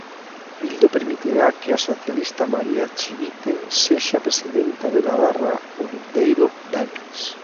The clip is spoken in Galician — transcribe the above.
Bildu permitirá que a socialista María Chivite sexa presidenta de Navarra o vindeiro venres.